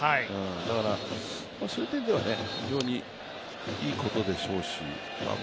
だから、そういう意味では非常にいいことでしょうしも